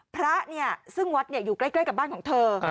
พระเนี่ยซึ่งวัดอยู่ใกล้กับบ้านของเธอ